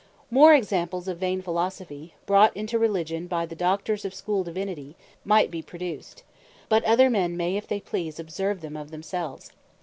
Language Of Schoole Divines More examples of Vain Philosophy, brought into Religion by the Doctors of Schoole Divinity, might be produced; but other men may if they please observe them of themselves.